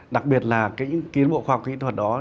đặc biệt là cái tiến bộ khoa học kỹ thuật đó